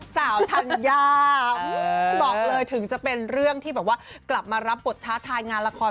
ธัญญาบอกเลยถึงจะเป็นเรื่องที่แบบว่ากลับมารับบทท้าทายงานละคร